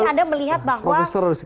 jadi anda melihat bahwa